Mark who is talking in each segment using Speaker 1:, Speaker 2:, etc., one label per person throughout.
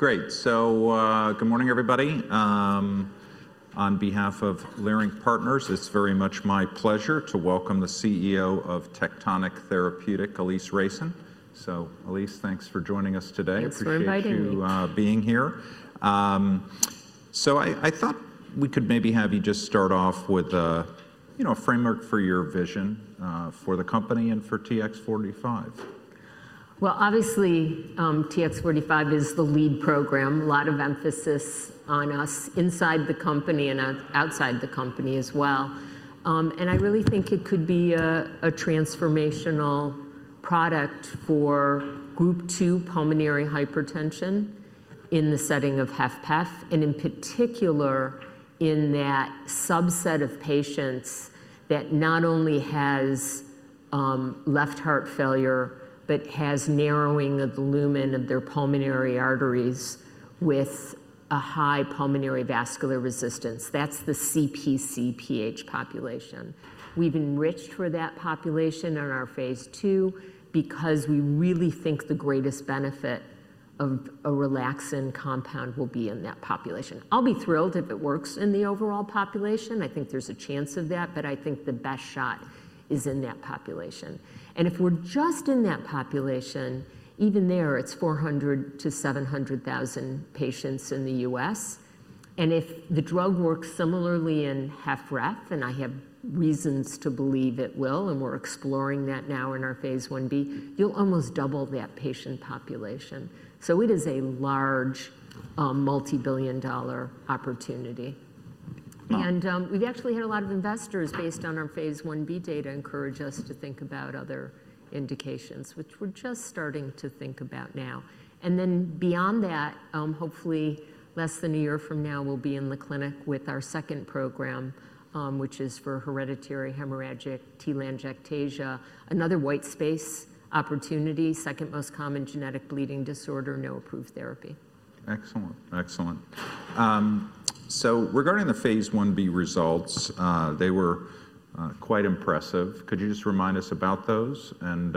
Speaker 1: Great. Good morning, everybody. On behalf of Leerink Partners, it's very much my pleasure to welcome the CEO of Tectonic Therapeutic, Alise Reicin. Alise, thanks for joining us today.
Speaker 2: Thanks for inviting me. Thank you for being here. I thought we could maybe have you just start off with, you know, a framework for your vision, for the company and for TX45. TX45 is the lead program. A lot of emphasis on us inside the company and outside the company as well. I really think it could be a transformational product for Group 2 pulmonary hypertension in the setting of HFpEF, and in particular in that subset of patients that not only has left heart failure but has narrowing of the lumen of their pulmonary arteries with a high pulmonary vascular resistance. That's the cpcPH population. We've enriched for that population in our phase II because we really think the greatest benefit of a relaxin compound will be in that population. I'll be thrilled if it works in the overall population. I think there's a chance of that, but I think the best shot is in that population. If we're just in that population, even there, it's 400,000-700,000 patients in the U.S. If the drug works similarly in HFpEF, and I have reasons to believe it will, and we're exploring that now in our phase I-B, you'll almost double that patient population. It is a large, multi-billion dollar opportunity. Wow. We've actually had a lot of investors, based on our phase I-B data, encourage us to think about other indications, which we're just starting to think about now. Beyond that, hopefully less than a year from now, we'll be in the clinic with our second program, which is for hereditary hemorrhagic telangiectasia, another white space opportunity, second most common genetic bleeding disorder, no approved therapy. Excellent. Excellent. Regarding the phase I-B results, they were quite impressive. Could you just remind us about those and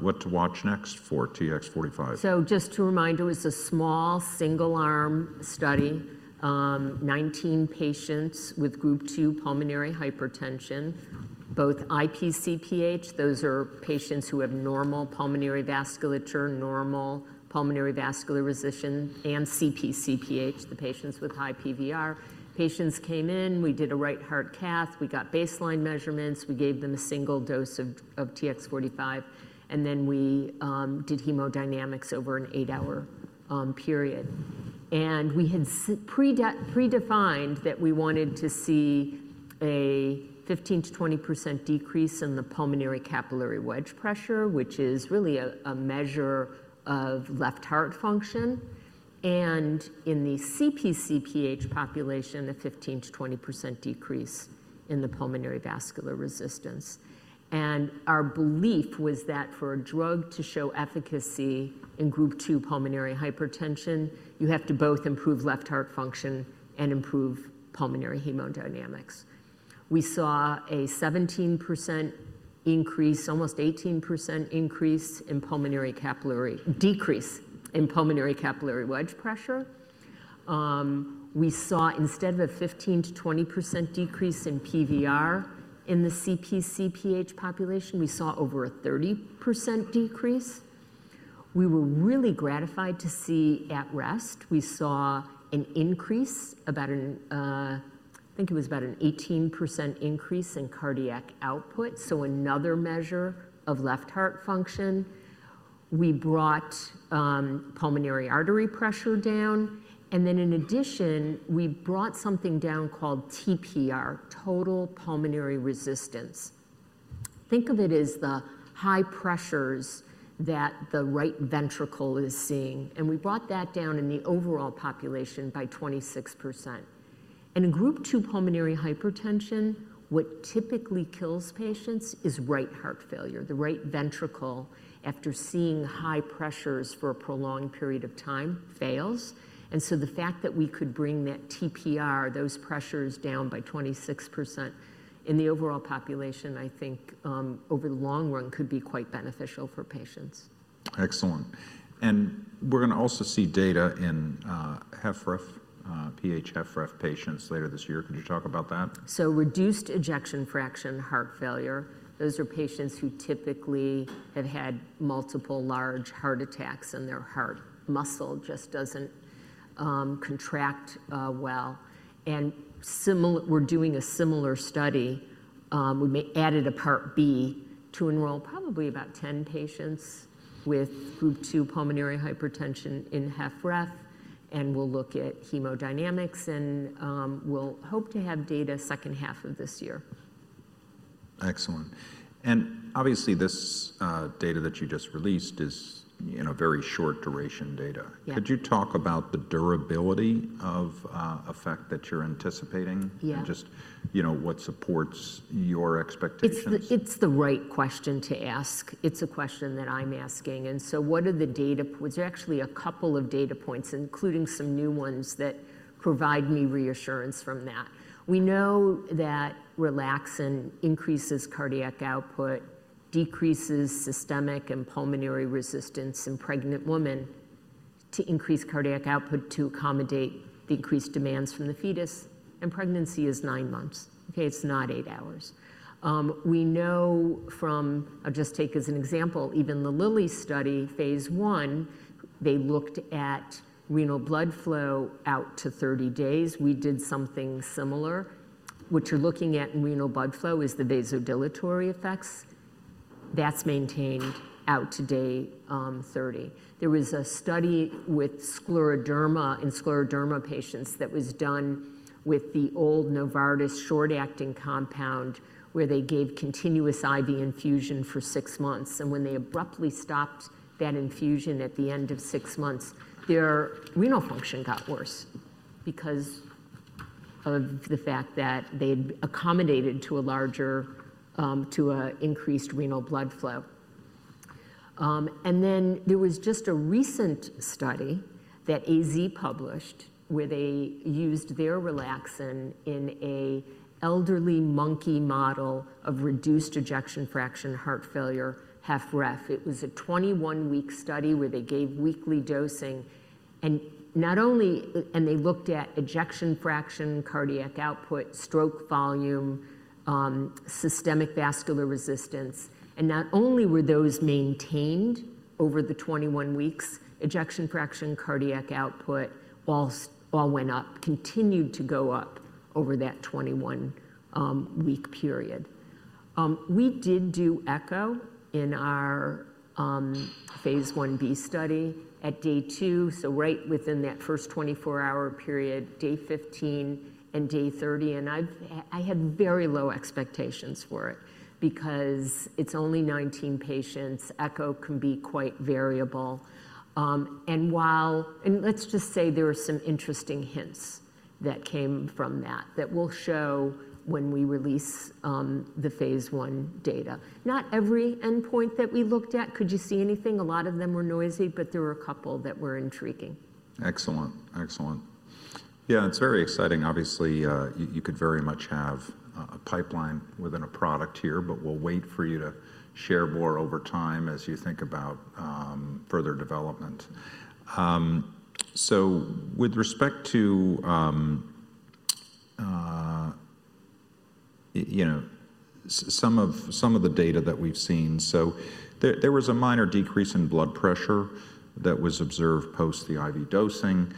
Speaker 2: what to watch next for TX45? Just to remind, it was a small single-arm study, 19 patients with Group 2 pulmonary hypertension, both ipcPH, those are patients who have normal pulmonary vasculature, normal pulmonary vascular resistance, and cpcPH, the patients with high PVR. Patients came in, we did a right heart cath, we got baseline measurements, we gave them a single dose of TX45, and then we did hemodynamics over an eight-hour period. We had pre-defined that we wanted to see a 15%-20% decrease in the pulmonary capillary wedge pressure, which is really a measure of left heart function. In the cpcPH population, a 15%-20% decrease in the pulmonary vascular resistance. Our belief was that for a drug to show efficacy in Group 2 pulmonary hypertension, you have to both improve left heart function and improve pulmonary hemodynamics. We saw a 17% increase, almost 18% increase in pulmonary capillary, decrease in pulmonary capillary wedge pressure. We saw, instead of a 15%-20% decrease in PVR in the cpcPH population, we saw over a 30% decrease. We were really gratified to see at rest, we saw an increase, about an, I think it was about an 18% increase in cardiac output, so another measure of left heart function. We brought pulmonary artery pressure down, and then in addition, we brought something down called TPR, total pulmonary resistance. Think of it as the high pressures that the right ventricle is seeing, and we brought that down in the overall population by 26%. In Group 2 pulmonary hypertension, what typically kills patients is right heart failure. The right ventricle, after seeing high pressures for a prolonged period of time, fails. The fact that we could bring that TPR, those pressures down by 26% in the overall population, I think, over the long run could be quite beneficial for patients. Excellent. We're gonna also see data in HFpEF, PH HFpEF patients later this year. Could you talk about that? Reduced ejection fraction heart failure, those are patients who typically have had multiple large heart attacks and their heart muscle just doesn't contract well. Similar, we're doing a similar study, we may have added a Part B to enroll probably about 10 patients with Group 2 pulmonary hypertension in HFpEF, and we'll look at hemodynamics and we'll hope to have data second half of this year. Excellent. Obviously this data that you just released is, you know, very short duration data. Yeah. Could you talk about the durability of effect that you're anticipating? Yeah. Just, you know, what supports your expectations? It's the right question to ask. It's a question that I'm asking. What are the data points? There are actually a couple of data points, including some new ones that provide me reassurance from that. We know that relaxin increases cardiac output, decreases systemic and pulmonary resistance in pregnant women to increase cardiac output to accommodate the increased demands from the fetus, and pregnancy is nine months, okay? It's not eight hours. We know from, I'll just take as an example, even the Lilly study phase I, they looked at renal blood flow out to 30 days. We did something similar. What you're looking at in renal blood flow is the vasodilatory effects. That's maintained out to day 30. There was a study with scleroderma, in scleroderma patients that was done with the old Novartis short-acting compound where they gave continuous IV infusion for six months, and when they abruptly stopped that infusion at the end of six months, their renal function got worse because of the fact that they'd accommodated to a larger, to an increased renal blood flow. There was just a recent study that AstraZeneca published where they used their relaxin in an elderly monkey model of reduced ejection fraction heart failure, HFpEF. It was a 21-week study where they gave weekly dosing, and not only, and they looked at ejection fraction, cardiac output, stroke volume, systemic vascular resistance, and not only were those maintained over the 21 weeks, ejection fraction, cardiac output, all, all went up, continued to go up over that 21-week period. We did do echo in our phase I-B study at day two, so right within that first 24-hour period, day 15 and day 30, and I had very low expectations for it because it's only 19 patients, echo can be quite variable. Let's just say there were some interesting hints that came from that that will show when we release the phase I data. Not every endpoint that we looked at, could you see anything? A lot of them were noisy, but there were a couple that were intriguing. Excellent. Excellent. Yeah, it's very exciting. Obviously, you could very much have a pipeline within a product here, but we'll wait for you to share more over time as you think about further development. With respect to, you know, some of the data that we've seen, there was a minor decrease in blood pressure that was observed post the IV dosing.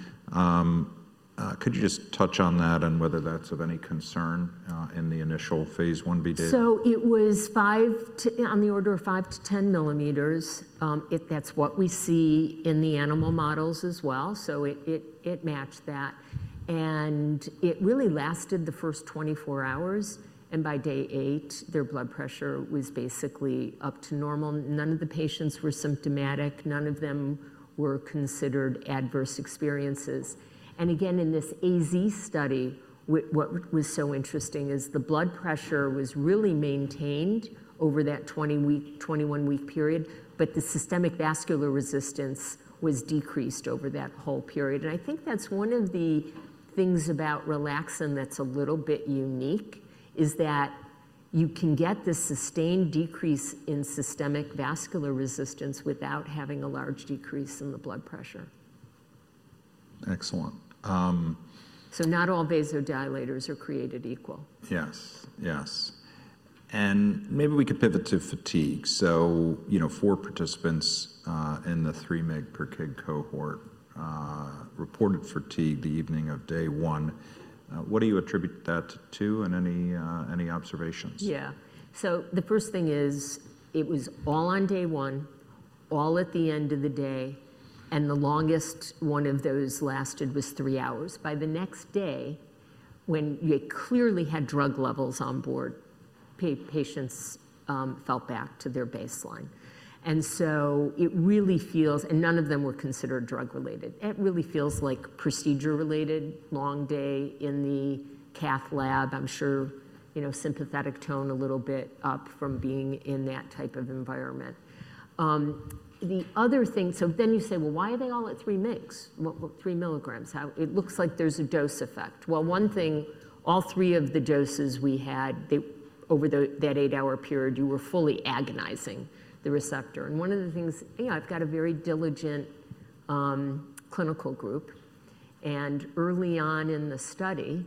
Speaker 2: Could you just touch on that and whether that's of any concern in the initial phase I-B data? It was five to, on the order of 5 to 10 millimeters, if that's what we see in the animal models as well, it matched that. It really lasted the first 24 hours, and by day eight, their blood pressure was basically up to normal. None of the patients were symptomatic, none of them were considered adverse experiences. Again, in this AZ study, what was so interesting is the blood pressure was really maintained over that 20-week, 21-week period, but the systemic vascular resistance was decreased over that whole period. I think that's one of the things about relaxin that's a little bit unique is that you can get this sustained decrease in systemic vascular resistance without having a large decrease in the blood pressure. Excellent. Not all vasodilators are created equal. Yes. Yes. Maybe we could pivot to fatigue. You know, four participants in the three mg per kg cohort reported fatigue the evening of day one. What do you attribute that to and any, any observations? Yeah. The first thing is it was all on day one, all at the end of the day, and the longest one of those lasted was three hours. By the next day, when they clearly had drug levels on board, patients fell back to their baseline. It really feels, and none of them were considered drug-related. It really feels like procedure-related, long day in the cath lab. I'm sure, you know, sympathetic tone a little bit up from being in that type of environment. The other thing, you say, why are they all at three mgs? What, what, three milligrams? How, it looks like there's a dose effect. One thing, all three of the doses we had, over that eight-hour period, you were fully agonizing the receptor. One of the things, you know, I've got a very diligent clinical group, and early on in the study,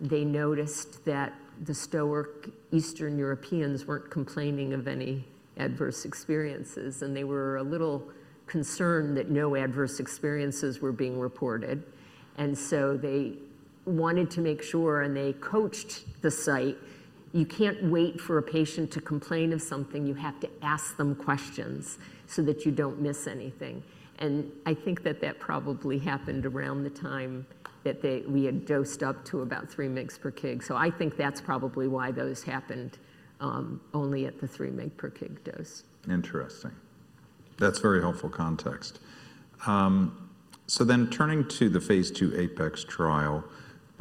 Speaker 2: they noticed that the stoic Eastern Europeans were not complaining of any adverse experiences, and they were a little concerned that no adverse experiences were being reported. They wanted to make sure, and they coached the site, you cannot wait for a patient to complain of something, you have to ask them questions so that you do not miss anything. I think that probably happened around the time that we had dosed up to about 3 mg per kg. I think that is probably why those happened, only at the 3 mg per kg dose. Interesting. That's very helpful context. So then turning to the phase II APEX trial,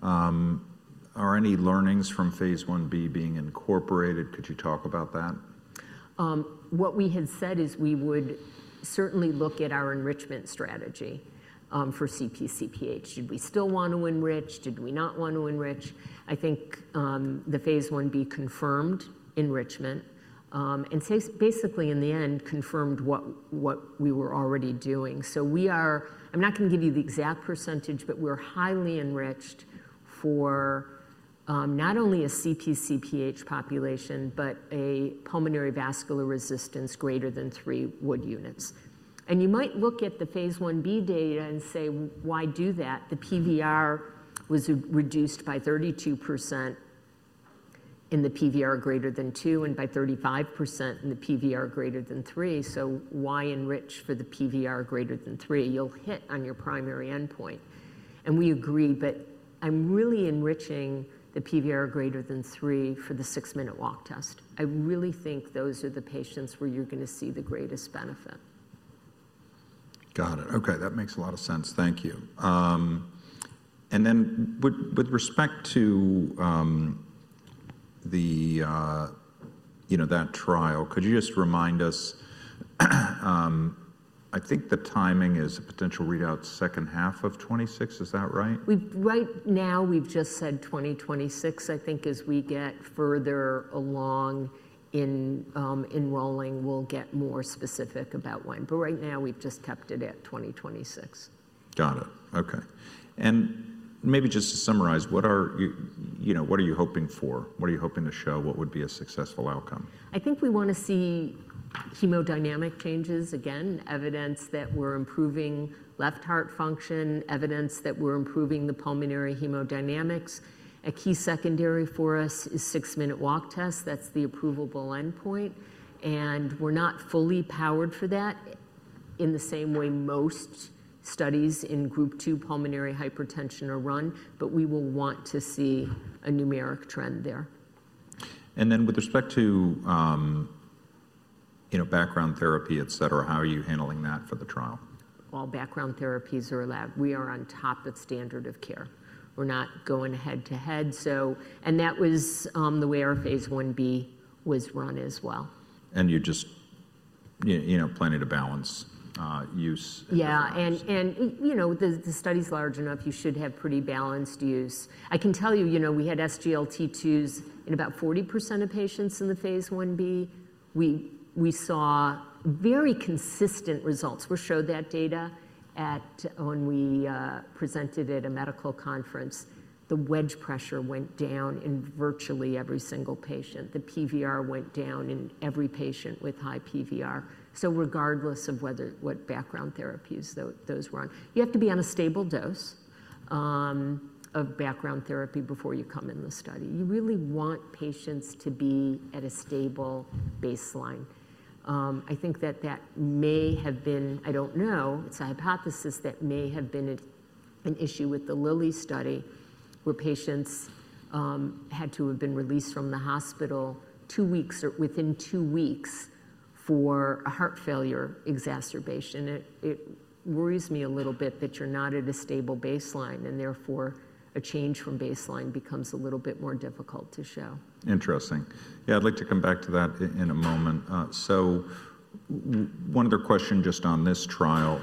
Speaker 2: are any learnings from phase I-B being incorporated? Could you talk about that? What we had said is we would certainly look at our enrichment strategy, for cpcPH. Did we still want to enrich? Did we not want to enrich? I think the phase I-B confirmed enrichment, and says, basically in the end, confirmed what we were already doing. So we are, I'm not gonna give you the exact percentage, but we're highly enriched for, not only a cpcPH population, but a pulmonary vascular resistance greater than three Wood units. You might look at the phase I-B data and say, why do that? The PVR was reduced by 32% in the PVR greater than two, and by 35% in the PVR greater than three. Why enrich for the PVR greater than three? You'll hit on your primary endpoint. We agree, but I'm really enriching the PVR greater than three for the six-minute walk test. I really think those are the patients where you're gonna see the greatest benefit. Got it. Okay. That makes a lot of sense. Thank you. And then with respect to the, you know, that trial, could you just remind us, I think the timing is a potential readout second half of 2026, is that right? Right now, we've just said 2026. I think as we get further along in enrolling, we'll get more specific about when. Right now, we've just kept it at 2026. Got it. Okay. Maybe just to summarize, what are you, you know, what are you hoping for? What are you hoping to show? What would be a successful outcome? I think we wanna see hemodynamic changes again, evidence that we're improving left heart function, evidence that we're improving the pulmonary hemodynamics. A key secondary for us is six-minute walk test. That's the approval endpoint. We're not fully powered for that in the same way most studies in Group 2 pulmonary hypertension are run, but we will want to see a numeric trend there. With respect to, you know, background therapy, et cetera, how are you handling that for the trial? All background therapies are allowed. We are on top of standard of care. We're not going head to head, and that was the way our phase I-B was run as well. You just, you know, planted a balance, use. Yeah. You know, the study's large enough, you should have pretty balanced use. I can tell you, you know, we had SGLT2s in about 40% of patients in the phase I-B. We saw very consistent results. We showed that data at, when we presented at a medical conference, the wedge pressure went down in virtually every single patient. The PVR went down in every patient with high PVR. So regardless of whether, what background therapies those were on, you have to be on a stable dose of background therapy before you come in the study. You really want patients to be at a stable baseline. I think that that may have been, I don't know, it's a hypothesis that may have been an issue with the Lilly study where patients had to have been released from the hospital two weeks or within two weeks for a heart failure exacerbation. It worries me a little bit that you're not at a stable baseline and therefore a change from baseline becomes a little bit more difficult to show. Interesting. Yeah, I'd like to come back to that in a moment. One other question just on this trial.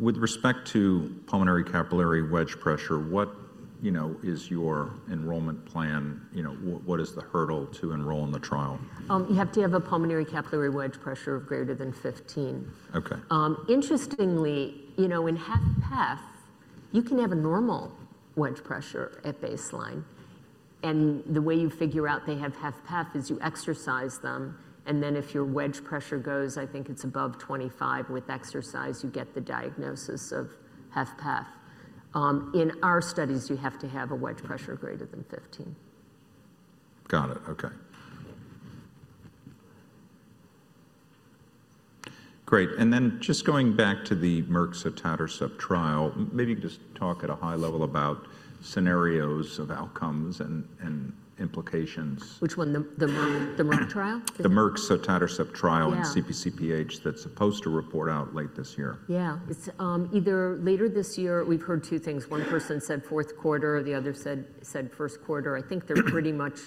Speaker 2: With respect to pulmonary capillary wedge pressure, what, you know, is your enrollment plan, you know, what is the hurdle to enroll in the trial? You have to have a pulmonary capillary wedge pressure of greater than 15. Okay. Interestingly, you know, in HFpEF, you can have a normal wedge pressure at baseline. The way you figure out they have HFpEF is you exercise them, and then if your wedge pressure goes, I think it's above 25 with exercise, you get the diagnosis of HFpEF. In our studies, you have to have a wedge pressure greater than 15. Got it. Okay. Great. Just going back to the Merck sotatercept trial, maybe you could just talk at a high level about scenarios of outcomes and implications. Which one? The Merck trial? The Merck sotatercept trial in cpcPH that's supposed to report out late this year. Yeah. It's either later this year, we've heard two things. One person said fourth quarter, the other said first quarter. I think they're pretty much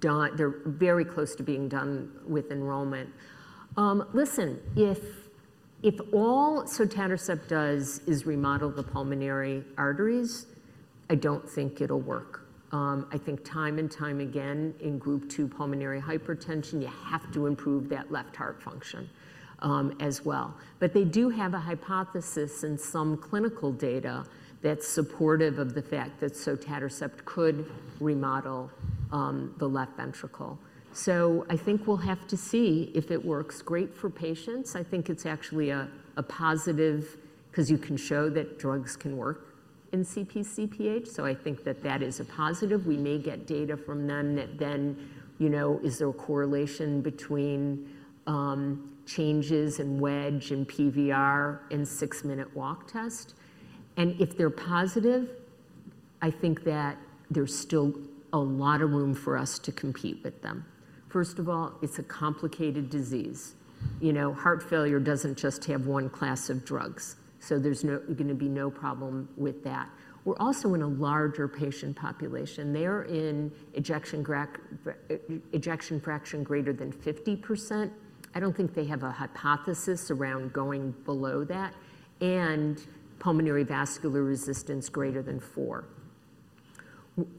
Speaker 2: done, they're very close to being done with enrollment. Listen, if all sotatercept does is remodel the pulmonary arteries, I don't think it'll work. I think time and time again in Group 2 pulmonary hypertension, you have to improve that left heart function, as well. They do have a hypothesis and some clinical data that's supportive of the fact that sotatercept could remodel the left ventricle. I think we'll have to see if it works great for patients. I think it's actually a positive 'cause you can show that drugs can work in cpcPH. I think that that is a positive. We may get data from them that then, you know, is there a correlation between, changes in wedge and PVR in six-minute walk test? If they're positive, I think that there's still a lot of room for us to compete with them. First of all, it's a complicated disease. You know, heart failure doesn't just have one class of drugs. There's no, gonna be no problem with that. We're also in a larger patient population. They're in ejection fraction greater than 50%. I don't think they have a hypothesis around going below that and pulmonary vascular resistance greater than four.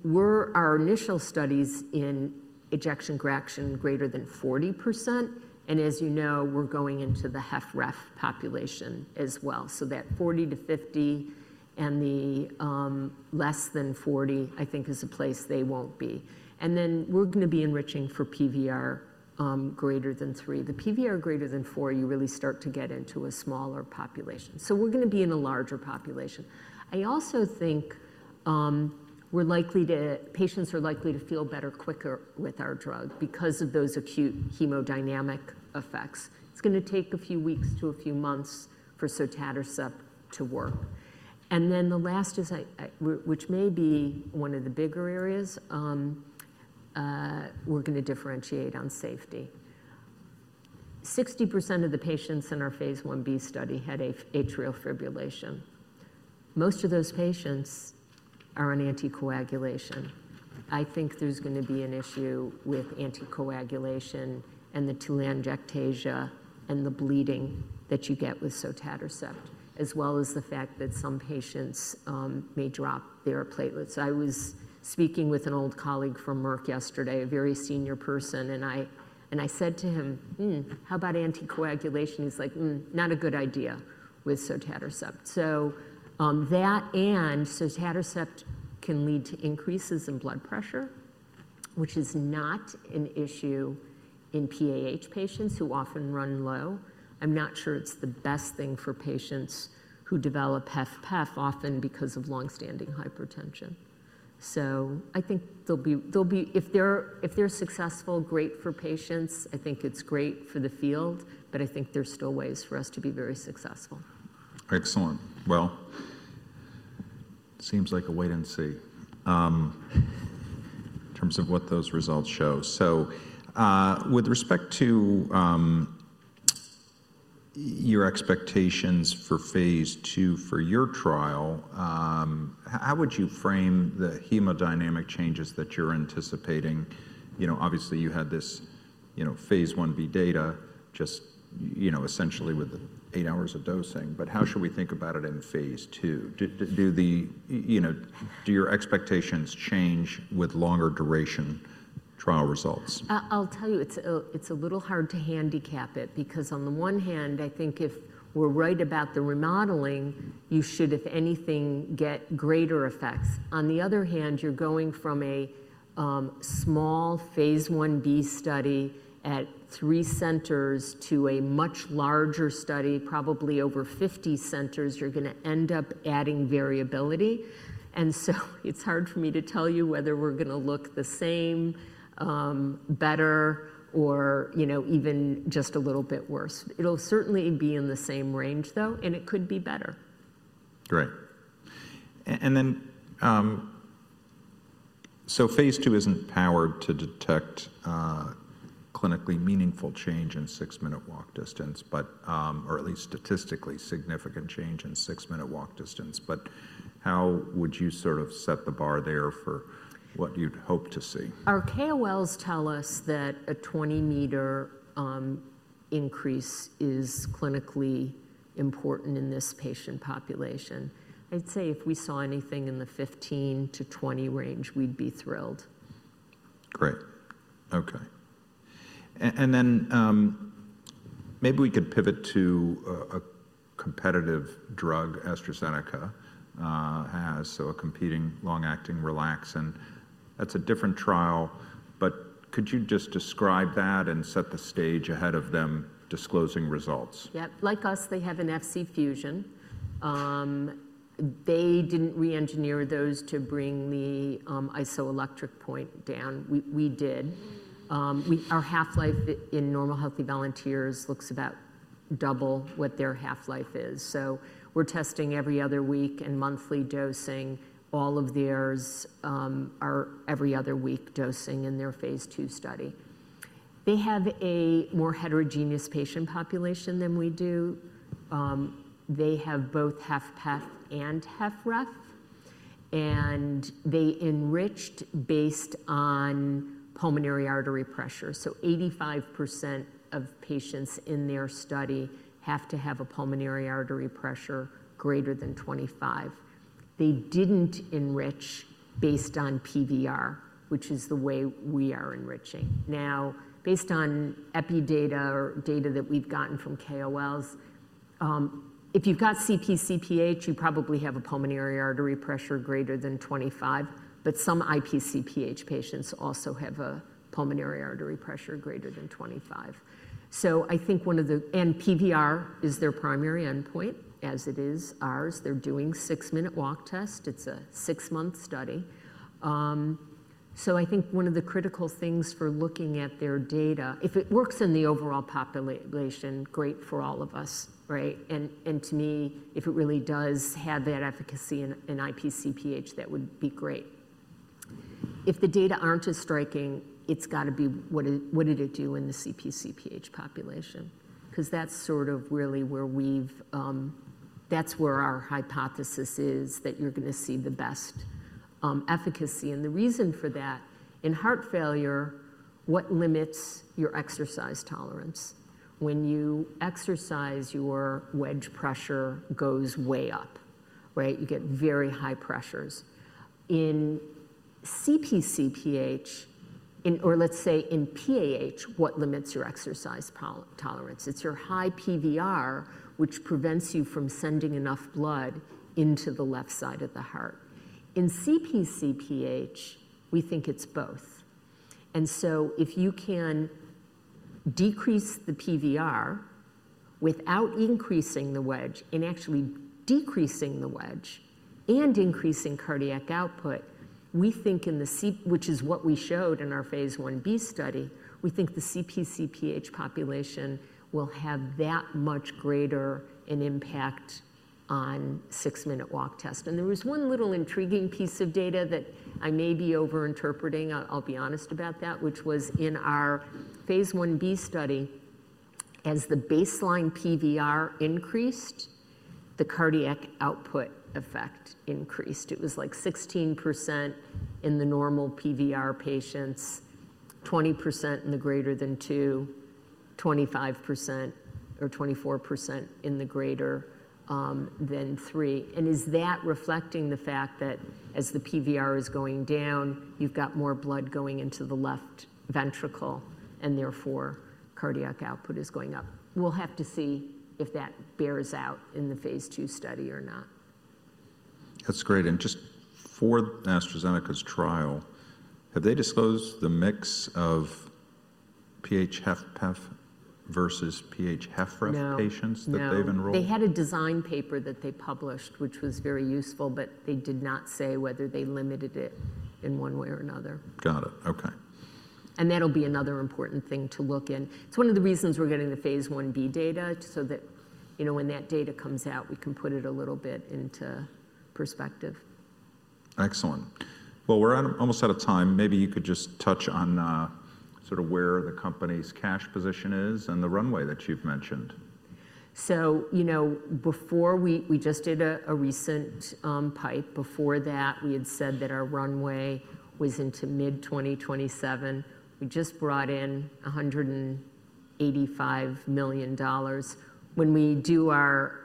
Speaker 2: Were our initial studies in ejection fraction greater than 40%? As you know, we're going into the HFrEF population as well. That 40-50 and the, less than 40, I think is a place they won't be. We're gonna be enriching for PVR greater than three. The PVR greater than four, you really start to get into a smaller population. We're gonna be in a larger population. I also think patients are likely to feel better quicker with our drug because of those acute hemodynamic effects. It's gonna take a few weeks to a few months for sotatercept to work. The last is, which may be one of the bigger areas, we're gonna differentiate on safety. 60% of the patients in our phase I-B study had atrial fibrillation. Most of those patients are on anticoagulation. I think there's gonna be an issue with anticoagulation and the telangiectasia and the bleeding that you get with sotatercept, as well as the fact that some patients may drop their platelets. I was speaking with an old colleague from Merck yesterday, a very senior person, and I said to him, how about anticoagulation? He's like, not a good idea with sotatercept. That and sotatercept can lead to increases in blood pressure, which is not an issue in PAH patients who often run low. I'm not sure it's the best thing for patients who develop HFpEF often because of longstanding hypertension. I think if they're successful, great for patients. I think it's great for the field, but I think there's still ways for us to be very successful. Excellent. It seems like a wait and see, in terms of what those results show. With respect to your expectations for phase II for your trial, how would you frame the hemodynamic changes that you're anticipating? You know, obviously you had this, you know, phase I-B data, just, you know, essentially with eight hours of dosing, but how should we think about it in phase II? Do, do the, you know, do your expectations change with longer duration trial results? I'll tell you, it's a little hard to handicap it because on the one hand, I think if we're right about the remodeling, you should, if anything, get greater effects. On the other hand, you're going from a small phase I-B study at three centers to a much larger study, probably over 50 centers, you're gonna end up adding variability. It's hard for me to tell you whether we're gonna look the same, better or, you know, even just a little bit worse. It'll certainly be in the same range though, and it could be better. Great. Phase II isn't powered to detect clinically meaningful change in six-minute walk distance, or at least statistically significant change in six-minute walk distance. How would you sort of set the bar there for what you'd hope to see? Our KOLs tell us that a 20-meter increase is clinically important in this patient population. I'd say if we saw anything in the 15-20 range, we'd be thrilled. Great. Okay. Maybe we could pivot to a competitive drug, AstraZeneca, as a competing long-acting relaxin. That's a different trial, but could you just describe that and set the stage ahead of them disclosing results? Yep. Like us, they have an Fc-fusion. They didn't re-engineer those to bring the isoelectric point down. We did. Our half-life in normal healthy volunteers looks about double what their half-life is. We are testing every other week and monthly dosing. All of theirs are every other week dosing in their phase II study. They have a more heterogeneous patient population than we do. They have both HFpEF and HFrEF, and they enriched based on pulmonary artery pressure. 85% of patients in their study have to have a pulmonary artery pressure greater than 25. They didn't enrich based on PVR, which is the way we are enriching. Now, based on Epi data or data that we've gotten from KOLs, if you've got cpcPH, you probably have a pulmonary artery pressure greater than 25, but some ipcPH patients also have a pulmonary artery pressure greater than 25. I think one of the, and PVR is their primary endpoint as it is ours. They're doing six-minute walk test. It's a six-month study. I think one of the critical things for looking at their data, if it works in the overall population, great for all of us, right? And to me, if it really does have that efficacy in ipcPH, that would be great. If the data aren't as striking, it's gotta be what did, what did it do in the cpcPH population? 'Cause that's sort of really where we've, that's where our hypothesis is that you're gonna see the best, efficacy. The reason for that, in heart failure, what limits your exercise tolerance? When you exercise, your wedge pressure goes way up, right? You get very high pressures. In cpcPH, in, or let's say in PAH, what limits your exercise tolerance? It's your high PVR, which prevents you from sending enough blood into the left side of the heart. In cpcPH, we think it's both. If you can decrease the PVR without increasing the wedge, and actually decreasing the wedge and increasing cardiac output, we think in the, which is what we showed in our phase I-B study, we think the cpcPH population will have that much greater an impact on six-minute walk test. There was one little intriguing piece of data that I may be overinterpreting, I'll be honest about that, which was in our phase 1b study, as the baseline PVR increased, the cardiac output effect increased. It was like 16% in the normal PVR patients, 20% in the greater than two, 25%, or 24% in the greater than three. Is that reflecting the fact that as the PVR is going down, you've got more blood going into the left ventricle and therefore cardiac output is going up? We'll have to see if that bears out in the phase II study or not. That's great. Just for AstraZeneca's trial, have they disclosed the mix of PH HFpEF versus PH HFrEF patients that they've enrolled? No, they had a design paper that they published, which was very useful, but they did not say whether they limited it in one way or another. Got it. Okay. That'll be another important thing to look in. It's one of the reasons we're getting the phase I-B data so that, you know, when that data comes out, we can put it a little bit into perspective. Excellent. We're almost out of time. Maybe you could just touch on, sort of where the company's cash position is and the runway that you've mentioned. You know, before we just did a recent PIPE. Before that, we had said that our runway was into mid-2027. We just brought in $185 million. When we do our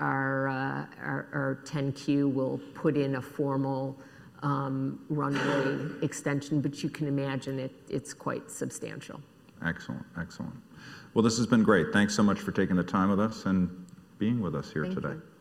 Speaker 2: 10-Q, we'll put in a formal runway extension, but you can imagine it is quite substantial. Excellent. Excellent. This has been great. Thanks so much for taking the time with us and being with us here today. Thank you.